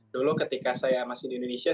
dulu ketika saya masih di indonesia